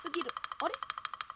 あれ？